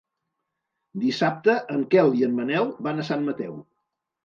Dissabte en Quel i en Manel van a Sant Mateu.